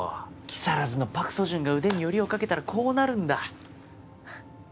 木更津のパク・ソジュンが腕によりをかけたらこうなるんだ。